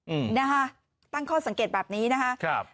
อืมนะฮะตั้งข้อสังเกตแบบนี้นะคะครับ